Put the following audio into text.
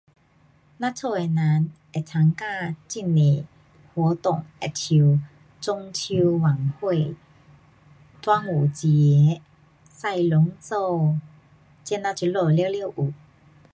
咱家的人会参加很多活动，好像中秋晚会，端午节，塞龙舟，这呐这里全部有。